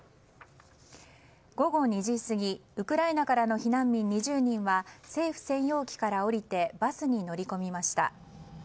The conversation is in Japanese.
午後２時過ぎ、ウクライナからの避難民２０人は政府専用機から降りてバスに乗り込みました。